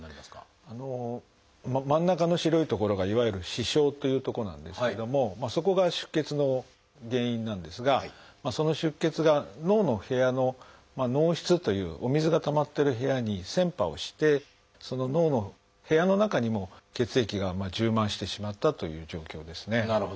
真ん中の白い所がいわゆる「視床」という所なんですけどもそこが出血の原因なんですがその出血が脳の部屋の「脳室」というお水がたまってる部屋に穿破をしてその脳の部屋の中にも血液が充満してしまったという状況ですね。